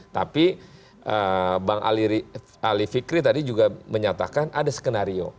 tapi bang ali fikri tadi juga menyatakan ada skenario